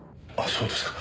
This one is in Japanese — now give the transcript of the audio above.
そうですか。